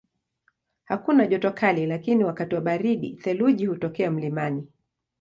Hakuna joto kali lakini wakati wa baridi theluji hutokea mlimani.